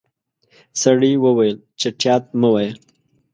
سړی وويل چټياټ مه وايه.